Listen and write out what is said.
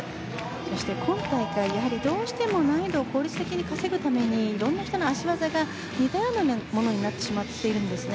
そして、今大会どうしても難易度を効率的に稼ぐためにどうしても脚技が似たようなものになってしまっているんですよね。